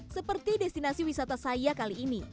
seperti destinasi wisata saya kali ini